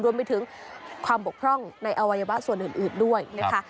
รวมไปถึงความบกพร่องในอวัยวะส่วนอื่นด้วยนะคะ